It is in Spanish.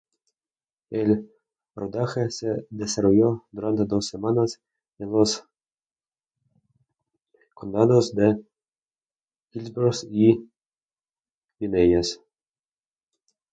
El rodaje se desarrolló durante dos semanas en los condados de Hillsborough y Pinellas.